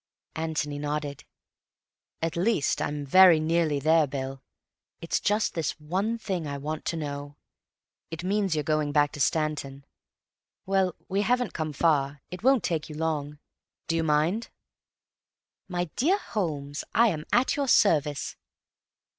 Antony nodded. "At least, I'm very nearly there, Bill. There's just this one thing I want now. It means your going back to Stanton. Well, we haven't come far; it won't take you long. Do you mind?" "My dear Holmes, I am at your service."